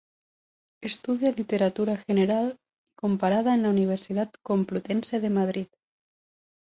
Estudia Literatura General y Comparada en la Universidad Complutense de Madrid.